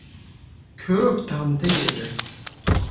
— Ko‘p tanti edi…